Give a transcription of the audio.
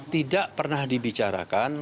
tidak pernah dibicarakan